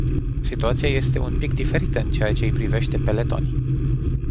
Situația este un pic diferită în ceea ce-i privește pe letoni.